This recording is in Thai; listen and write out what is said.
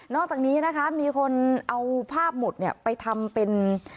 อกจากนี้นะคะมีคนเอาภาพหมดเนี่ยไปทำเป็น